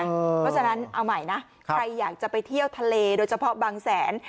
เพราะฉะนั้นเอาใหม่นะใครอยากจะไปเที่ยวทะเลโดยเฉพาะบางแสน